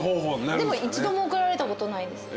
でも一度も怒られたことないです。